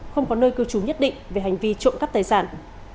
không có nơi cư trú nhất định về hành vi trộm cắp tài sản